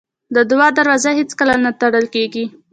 د دعا دروازه هېڅکله نه تړل کېږي.